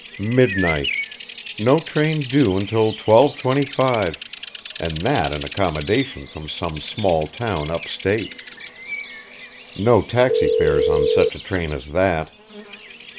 Midnight! No train due until 12.25, and that an accommodation from some small town up State. No taxi fares on such a train as that.